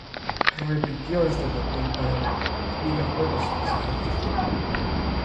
Repitió este papel para el videojuego subsiguiente.